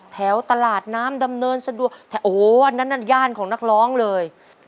แถวตลาดน้ำดำเนินสะดวกแต่โอ้โหอันนั้นนั่นย่านของนักร้องเลย